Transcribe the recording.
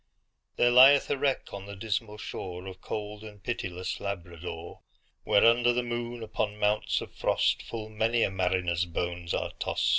There lieth a wreck on the dismal shoreOf cold and pitiless Labrador; Where, under the moon, upon mounts of frost, Full many a mariner's bones are tost.